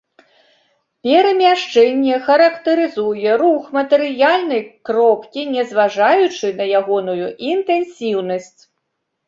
Перамяшчэнне характарызуе рух матэрыяльнай кропкі, не зважаючы на ягоную інтэнсіўнасць.